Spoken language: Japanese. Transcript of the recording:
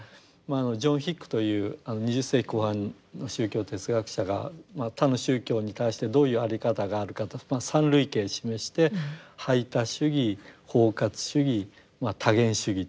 ジョン・ヒックという２０世紀後半の宗教哲学者が他の宗教に対してどういう在り方があるかと３類型示して排他主義包括主義多元主義と。